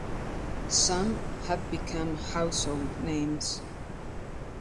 Some have become household names.